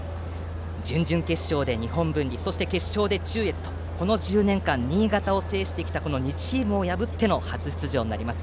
準々決勝で日本文理決勝で中越とこの１０年間新潟を制してきた２チームを破っての初出場になります。